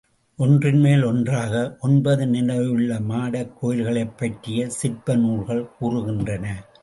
ஒன்றின் மேல் ஒன்றாக ஒன்பது நிலையுள்ள மாடக் கோயில்களைப் பற்றி சிற்ப நூல்கள் கூறுகின்றன.